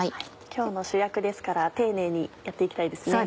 今日の主役ですから丁寧にやって行きたいですね。